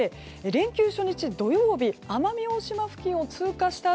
連休初日、土曜日は奄美大島付近を通過した